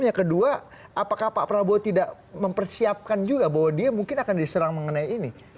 yang kedua apakah pak prabowo tidak mempersiapkan juga bahwa dia mungkin akan diserang mengenai ini